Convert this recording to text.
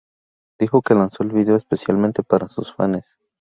Dijo que lanzó el video especialmente para sus fanes.